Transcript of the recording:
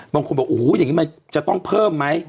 บางคนก็ว่าอู้โหยังงี้มันจะต้องเพิ่มไหม